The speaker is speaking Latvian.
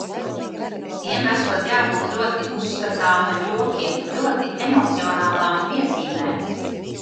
Tiem esot jābūt ļoti uzskatāmiem jokiem, ļoti emocionālām piezīmēm.